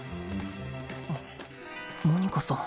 モニカさん